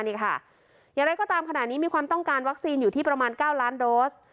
อย่างไรก็ตามขณะนี้มีความต้องการวัคซีนอยู่ที่ประมาณ๙ล้านโดส